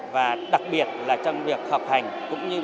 và đặc biệt là trong việc học hành